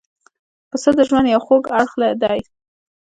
پسه د ژوند یو خوږ اړخ دی.